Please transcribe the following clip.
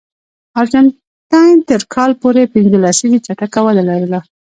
ارجنټاین تر کال پورې پنځه لسیزې چټکه وده لرله.